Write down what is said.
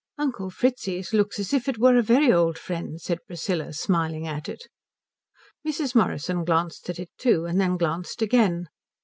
"Uncle Fritzi's looks as if it were a very old friend," said Priscilla, smiling at it. Mrs. Morrison glanced at it too, and then glanced again.